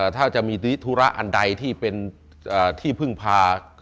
ถ้าจะมีธุระอันใดที่เป็นที่พึ่งพา